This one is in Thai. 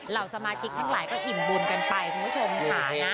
เหล่าสมาชิกทั้งหลายก็อิ่มบุญกันไปคุณผู้ชมค่ะนะ